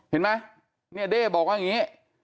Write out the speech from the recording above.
เห็นไหมเนี่ยเด้บอกว่าอย่างนี้